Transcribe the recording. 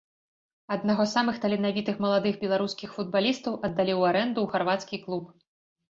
Аднаго з самых таленавітых маладых беларускіх футбалістаў аддалі ў арэнду ў харвацкі клуб.